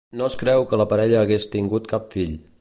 No es creu que la parella hagués tingut cap fill.